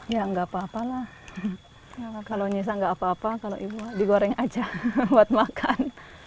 ya nggak apa apa lah kalau nyisa gak apa apa kalau ibu digoreng aja buat makan